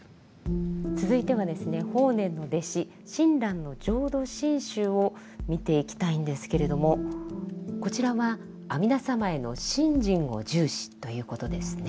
続いてはですね法然の弟子親鸞の浄土真宗を見ていきたいんですけれどもこちらは阿弥陀様への「信心」を重視ということですね。